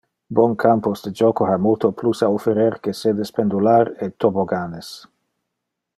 Bon campos de joco ha multo plus a offerer que sedes pendular e tobogganes.